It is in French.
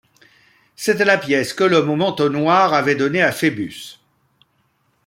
C’était la pièce que l’homme au manteau noir avait donnée à Phœbus.